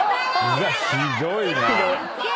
うわっひどいな。